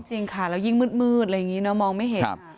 จริงค่ะแล้วยิ่งมืดอะไรอย่างนี้เนอะมองไม่เห็น